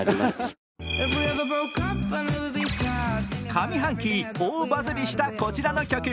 上半期大バズりしたこちらの曲。